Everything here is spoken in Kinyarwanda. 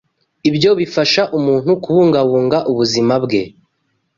Ibyo bifasha umuntu kubungabunga ubuzima bwe